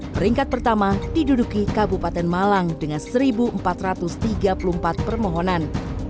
peringkat pertama diduduki kabupaten malang dengan satu empat ratus tiga puluh empat permohonan